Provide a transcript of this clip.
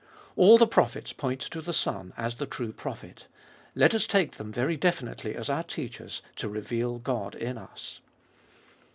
3. All the prophets point to the Son, as the true Prophet. Let us take them very definitely as our teachers, to reveal God in us.